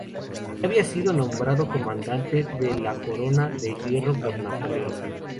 Ya había sido nombrado comandante de la Corona de Hierro por Napoleón.